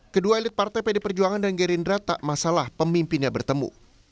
kedua elit partai pd perjuangan dan gerindra tak masalah pemimpinnya bertemu